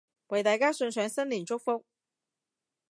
為大家送上新年祝福